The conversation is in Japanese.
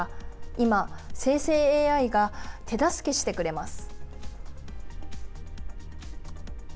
今、生成ＡＩが手助けしてくれます。